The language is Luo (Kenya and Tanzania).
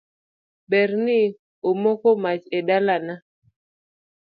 Berni omoko mach e ndalana.